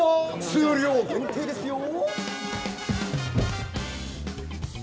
数量限定ですよ！